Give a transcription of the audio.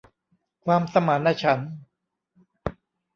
ความสมานฉันท์